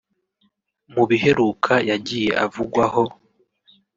Mu biheruka yagiye avugwaho